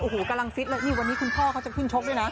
โอ้โหกำลังฟิตเลยนี่วันนี้คุณพ่อเขาจะขึ้นชกด้วยนะ